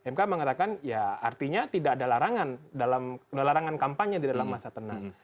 mk mengatakan ya artinya tidak ada larangan kampanye di dalam masa tenang